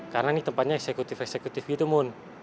karena ini tempatnya eksekutif eksekutif gitu mun